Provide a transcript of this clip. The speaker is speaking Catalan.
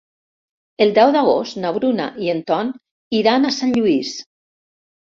El deu d'agost na Bruna i en Ton iran a Sant Lluís.